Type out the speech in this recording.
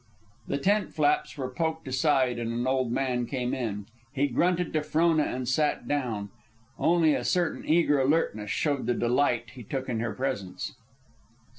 The tent flaps were poked aside and an old man came in. He grunted to Frona and sat down. Only a certain eager alertness showed the delight he took in her presence.